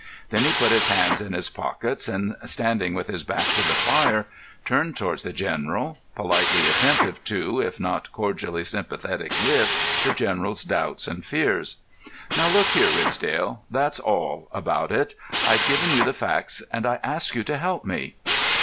Then he put his hands in his pockets, and, standing with his back to the fire, turned towards the General, politely attentive to, if not cordially sympathetic with, the General's doubts and fears. "Now, look here, Ridsdale, that's all about it. I've given you the facts, and I ask you to help me."